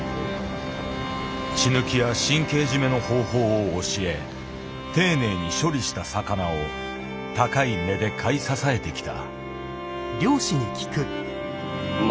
血抜きや神経締めの方法を教え丁寧に処理した魚を高い値で買い支えてきた。